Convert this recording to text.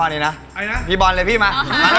อันนี้มาพี่บอลเลยมา